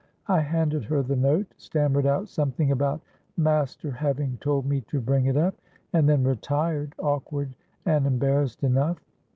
I handed her the note, stammered out something about 'Master having told me to bring it up,' and then retired, awkward and embarrassed enough.